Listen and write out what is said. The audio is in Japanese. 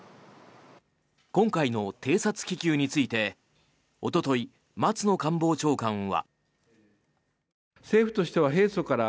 今回の偵察気球についておととい、松野官房長官は。